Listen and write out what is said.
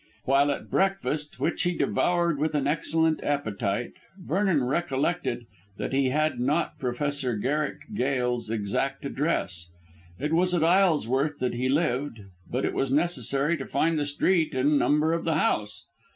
While at breakfast, which he devoured with an excellent appetite, Vernon recollected that he had not Professor Garrick Gail's exact address. It was at Isleworth that he lived, but it was necessary to find the street and the number of the house.